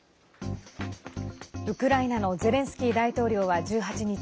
ウクライナのゼレンスキー大統領は１８日